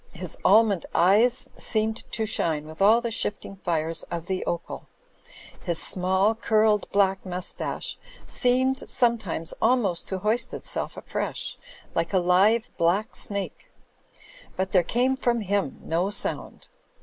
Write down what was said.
His almond eyes seemed to shine with all the shifting fires of the opal; his small, curled black mustache seemed sometimes almost to hoist itself afresh, like a live, black snake ; but there came from him no sound.